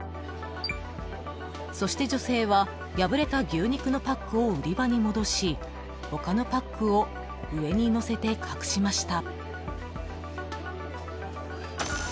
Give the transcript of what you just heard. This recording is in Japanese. ［そして女性は破れた牛肉のパックを売り場に戻し他のパックを上に載せて隠しました］